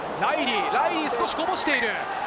ライリー、少しこぼしている。